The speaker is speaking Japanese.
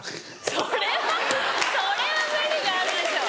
それはそれは無理があるでしょ。